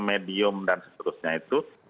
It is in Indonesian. medium dan seterusnya itu